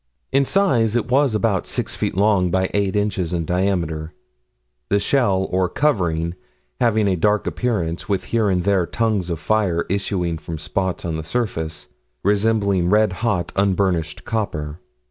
In size it was about 6 feet long by 8 inches in diameter, the shell, or covering, having a dark appearance, with here and there tongues of fire issuing from spots on the surface, resembling red hot, unburnished copper.